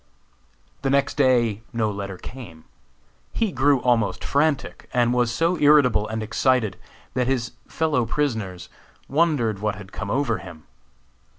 The next day no letter came. He grew almost frantic, and was so irritable and excited that his fellow prisoners wondered what had come over him.